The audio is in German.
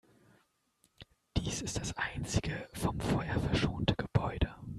Dies ist das einzige vom Feuer verschonte Gebäude.